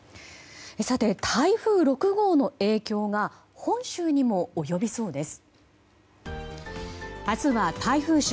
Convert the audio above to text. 台風６号の影響が本州にも及びそうです。